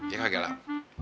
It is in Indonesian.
ya kagak lah